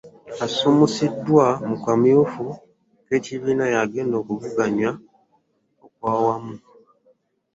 Asumusiddwa mu kamyufu k'ekibiina yagenda mu kuvuganya okwawamu.